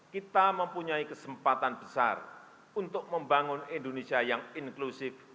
kita mempunyai kesempatan besar untuk membangun indonesia yang inklusif